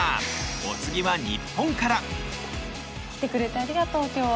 お次は日本から来てくれてありがとう今日は。